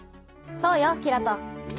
そうよキラト。